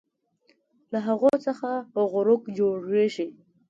له هغو څخه غروق جوړوي